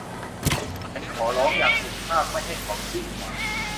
ฉันร้องขออย่างสุภาพไม่ให้เขาสิ้นหวัง